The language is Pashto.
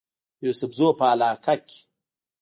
د يوسفزو پۀ علاقه کې